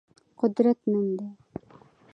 قدرت نوم دی.